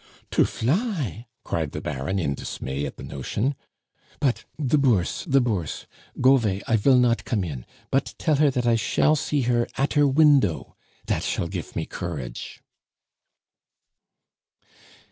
"To fly!" cried the Baron, in dismay at the notion. "But the Bourse, the Bourse! Go 'vay, I shall not come in. But tell her that I shall see her at her window dat shall gife me courage!"